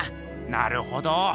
なるほど。